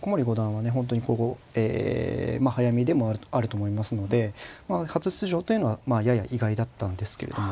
本当にこう早見えでもあると思いますので初出場というのはやや意外だったんですけれども。